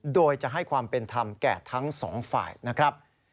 โดยจะให้ความเป็นธรรมแก่ทั้งสองฝ่ายนะครับ